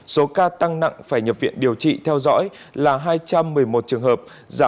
số ca tăng nặng phải nhập viện điều trị theo dõi là hai trăm một mươi một trường hợp giảm